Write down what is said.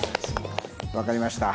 わかりました。